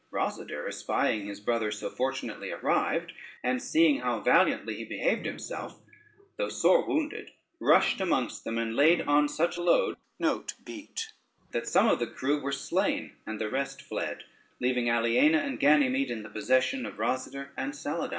Rosader, espying his brother so fortunately arrived, and seeing how valiantly he behaved himself, though sore wounded rushed amongst them, and laid on such load, that some of the crew were slain, and the rest fled, leaving Aliena and Ganymede in the possession of Rosader and Saladyne.